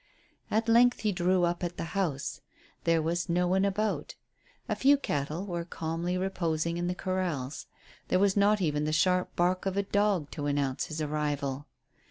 At length he drew up at the house. There was no one about. A few cattle were calmly reposing in the corrals. There was not even the sharp bark of a dog to announce his arrival.